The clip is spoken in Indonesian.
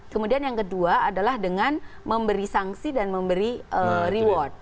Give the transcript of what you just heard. kemudian yang kedua adalah dengan memberi sanksi dan memberi reward